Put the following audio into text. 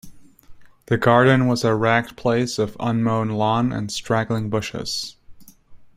The garden was a ragged place of unmown lawn and straggling bushes.